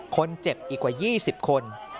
คนเจ็บอีกกว่า๒๐คน